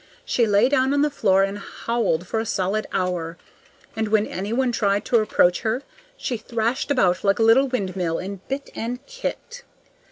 She lay down on the floor and howled for a solid hour, and when any one tried to approach her, she thrashed about like a little windmill and bit and kicked.